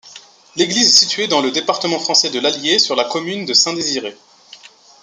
L'église est située dans le département français de l'Allier, sur la commune de Saint-Désiré.